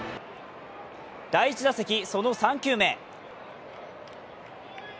第１打席、その３球目。